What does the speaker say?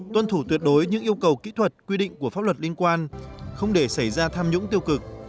tuân thủ tuyệt đối những yêu cầu kỹ thuật quy định của pháp luật liên quan không để xảy ra tham nhũng tiêu cực